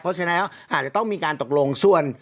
เพราะฉะนั้นอาจจะต้องมีการตกลงส่วน